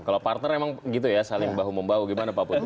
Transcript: kalau parter memang gitu ya saling bahu membahu gimana pak butuh